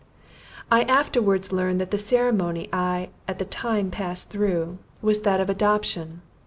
I afterwards learned that the ceremony I at that time passed through, was that of adoption.